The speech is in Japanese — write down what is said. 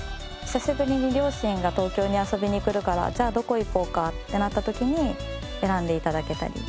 久しぶりに両親が東京に遊びに来るからじゃあどこ行こうかってなった時に選んで頂けたり。